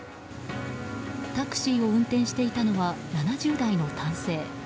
タクシーを運転していたのは７０代の男性。